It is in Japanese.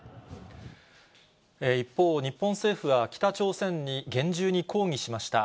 一方、日本政府は、北朝鮮に厳重に抗議しました。